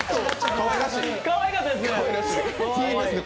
かわいかったですねー。